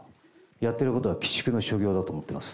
やってることは鬼畜の所業だと思ってます。